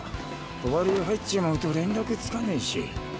帳入っちまうと連絡つかねぇし。